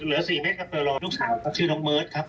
เหลือสี่นิดครับเดี๋ยวรอลูกสาวครับชื่อน้องเมิร์ดครับ